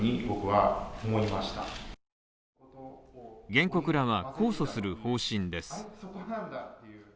原告らは控訴する方針です。